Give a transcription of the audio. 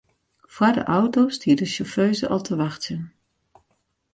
Foar de auto stie de sjauffeuze al te wachtsjen.